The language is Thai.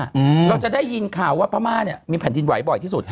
เราจะได้ยินข่าวว่าพม่าเนี่ยมีแผ่นดินไหวบ่อยที่สุด